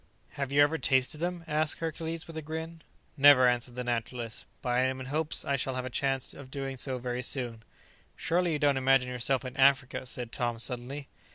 "Have you ever tasted them?" asked Hercules, with a grin. "Never," answered the naturalist; "but I am in hopes I shall have a chance of doing so very soon." "Surely you don't imagine yourself in Africa!" said Tom suddenly.